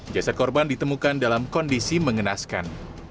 jasad korban ditemukan dalam kondisi mengenaskan